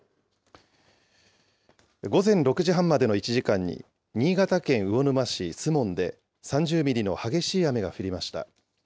午前６時半までの１時間に、新潟県魚沼市守門で３０ミリの激しい雨が降りました。